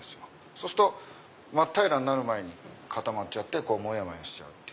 そうすると真っ平らになる前に固まっちゃってモヤモヤしちゃう。